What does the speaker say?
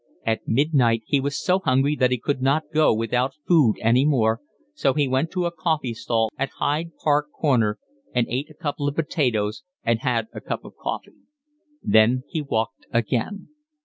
At midnight he was so hungry that he could not go without food any more, so he went to a coffee stall at Hyde Park Corner and ate a couple of potatoes and had a cup of coffee. Then he walked again.